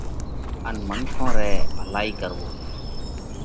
ان منکون رئِي ڀلائِي ڪروو۔